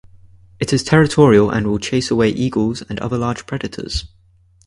It is territorial and will chase away eagles and other large predators.